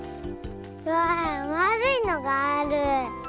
わあまあるいのがある。